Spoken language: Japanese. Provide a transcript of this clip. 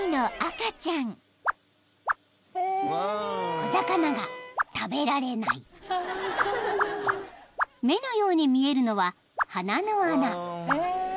［小魚が食べられない］［目のように見えるのは鼻の穴］